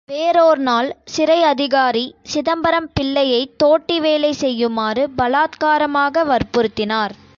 வேறோர் நாள் சிறை அதிகாரி, சிதம்பரம் பிள்ளையைத் தோட்டி வேலை செய்யுமாறு பலாத்காரமாக வற்புறுத்தினார்.